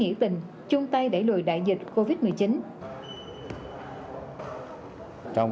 chuyên chở chuyên gia và chở hàng